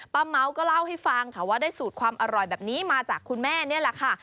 เมาก็เล่าให้ฟังค่ะว่าได้สูตรความอร่อยแบบนี้มาจากคุณแม่นี่แหละค่ะ